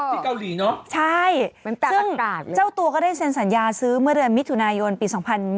ที่เกาหลีเนอะเป็นตากากาศเลยใช่ซึ่งเจ้าตัวก็ได้เซ็นสัญญาซื้อเมื่อเดือนมิถุนายนปี๒๐๒๐